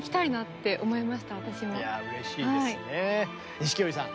錦織さん